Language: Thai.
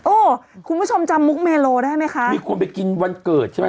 คุณผู้ชมจำมุกเมโลได้ไหมคะมีคนไปกินวันเกิดใช่ไหม